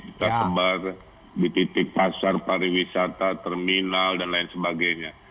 kita sebar di titik pasar pariwisata terminal dan lain sebagainya